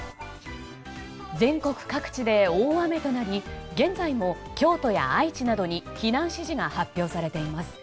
全国各地で大雨となり現在も、京都や愛知などに避難指示が発表されています。